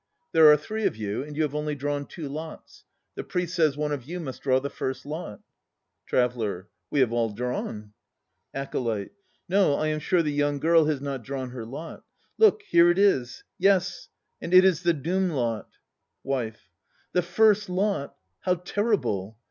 There are three of you, and you have only drawn two lots. The Priest says one of you must draw the First Lot. TRAVELLER. We have all drawn. ACOLYTE. No, I am sure the young girl has not drawn her lot. Look, here it is. Yes, and it is the Doom lot! WIFE. The First Lot! How terrible!